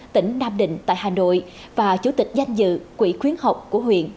tỉnh nam định tại hà nội và chủ tịch danh dự quỹ khuyến học của huyện